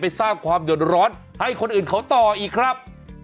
สร้างความเดือดร้อนให้คนอื่นเขาต่ออีกครับ